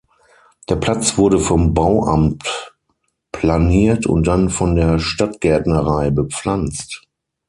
Der Platz wurde vom Bauamt planiert und dann von der Stadtgärtnerei bepflanzt.